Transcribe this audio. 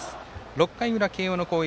６回の裏、慶応の攻撃。